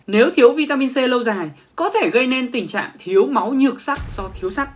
nếu thiếu vitamin c lâu dài có thể gây nên tình trạng thiếu máu nhược sắc do thiếu sắt